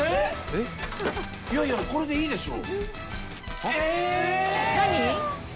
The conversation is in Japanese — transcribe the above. いやいやこれでいいでしょ？